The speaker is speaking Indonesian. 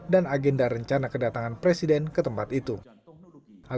dan agenda rencana kedatangan perang yang menyebabkan keadaan tersebut tidak bisa diperhatikan